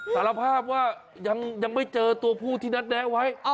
สารภาพว่ายังไม่เจอตัวผู้ที่นัดแนะไว้